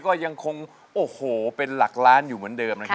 ก็ยังคงโอ้โหเป็นหลักล้านอยู่เหมือนเดิมนะครับ